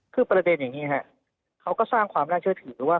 คือประเด็นอย่างนี้ครับเขาก็สร้างความน่าเชื่อถือว่า